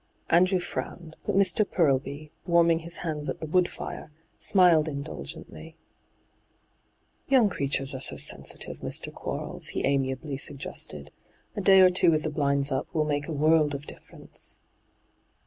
Andrew frowned, but Mr. Purlby, wanning his hands at the wood fire, smiled indulgently. hyGoo>^lc ENTRAPPED 87 * Young creaturea are so sensitive, Mr. Quarles,' he amiably suggested. ' A day or two with the blinds up will make a world of diflFerence.'